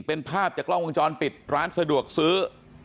เป็นภาพจากกล้องวงจรปิดร้านสะดวกซื้อ